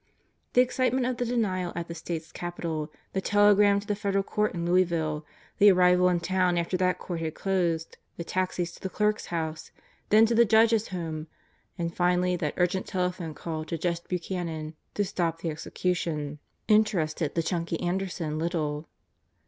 The excitement of the denial at the State's Capitol, the tele gram to the Federal Court in Louisville, the arrival in town after that Court had closed, the taxis to the Clerk's house, then to the Judge's home, and finally that urgent telephone call to Jess Buchanan to stop the execution, interested the chunky Anderson little.